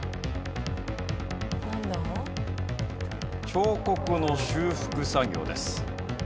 彫刻の修復作業です。